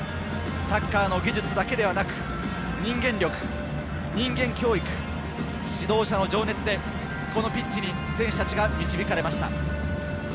サッカーの技術だけではなく、人間力、人間教育、指導者の情熱でこのピッチに選手たちが導かれました。